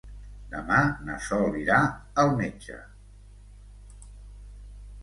Demà na Sol irà al metge.